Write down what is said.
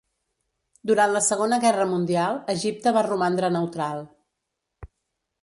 Durant la Segona Guerra Mundial, Egipte va romandre neutral.